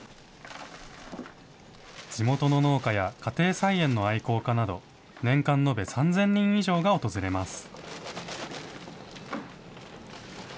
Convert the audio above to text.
地元の農家や家庭菜園の愛好家など、年間延べ３０００人以上が訪れます。